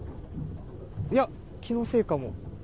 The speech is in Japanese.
いや、気のせいかも。